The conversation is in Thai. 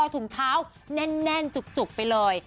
ถุงเท้าแน่นจุกไปเลย